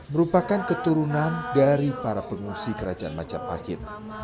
merupakan keturunan dari para pengungsi kerajaan majapahit